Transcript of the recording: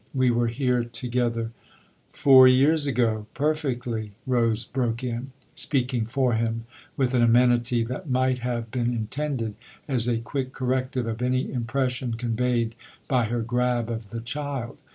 We were here together "" Four years ago perfectly," Rose broke in, speaking for him with an amenity that might have been intended as a quick corrective of any impres sion conveyed by her grab of the child.